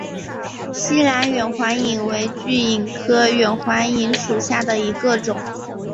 栖兰远环蚓为巨蚓科远环蚓属下的一个种。